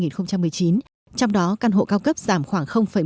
trong đó căn hộ cao cấp giảm khoảng một mươi